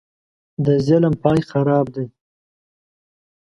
د ظلم پاى خراب دى.